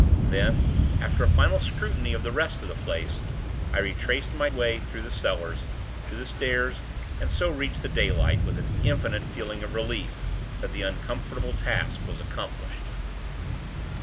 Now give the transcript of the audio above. Then, after a final scrutiny of the rest of the place, I retraced my way through the cellars, to the stairs, and so reached the daylight, with an infinite feeling of relief, that the uncomfortable task was accomplished.